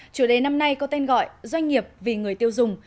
chủ đề năm nay có tên gọi doanh nghiệp vì người tiêu dùng